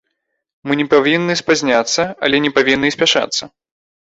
Мы не павінны спазняцца, але не павінны і спяшацца.